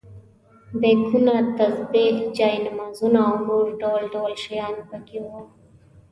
بیکونه، تسبیح، جاینمازونه او نور ډول ډول شیان په کې وو.